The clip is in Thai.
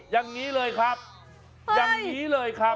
อย่างนี้เลยครับอย่างนี้เลยครับ